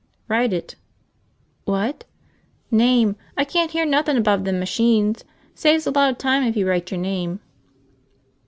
"Write it." "What?" "Name. I can't hear nothin' above them machines. Saves a lot of time if you write your name."